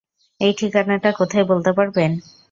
এই ঠিকানাটা কোথায় বলতে পারবেন?